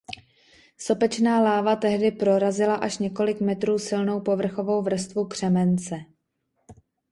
Sopečná láva tehdy prorazila až několik metrů silnou povrchovou vrstvu křemence.